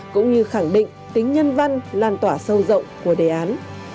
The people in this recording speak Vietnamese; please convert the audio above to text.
cũng như khẳng định tính nhân văn lan tỏa sâu rộng của đề án